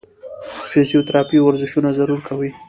فزيوتراپي ورزشونه ضرور کوي -